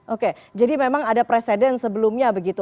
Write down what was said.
oke jadi memang ada presiden sebelumnya begitu